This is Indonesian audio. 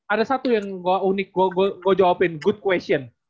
ada satu yang gak unik gue jawabin good question